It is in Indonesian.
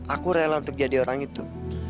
aku rela untuk jadi orang itu